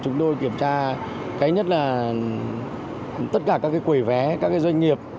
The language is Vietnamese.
thường là chúng tôi kiểm tra tất cả các quẩy vé các doanh nghiệp